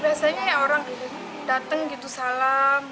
biasanya orang datang gitu salam